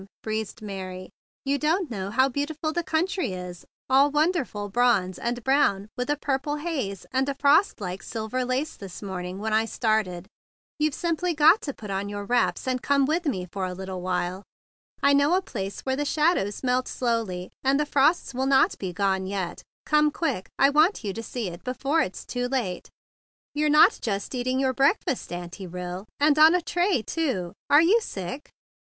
breezed Mary gayly. "You don't know how beautiful the country is, all wonderful bronze and brown with a purple haze, and a frost like silver lace this morning when I started. You've simply got to put on your wraps and come with me for a little while. I know a place where the shadows melt slowly, and the frost will not be gone yet. Come quick! I want you to see it be 91 92 THE BIG BLUE SOLDIER fore it's too late. You're not just eat¬ ing your breakfast, Auntie Rill! And on a tray, too! Are you sick?"